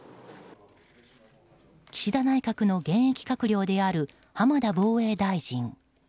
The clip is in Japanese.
岸田内閣の現役閣僚である浜田防衛大臣。